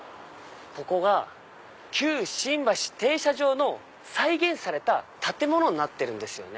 ここが旧新橋停車場の再現された建物になってるんですよね。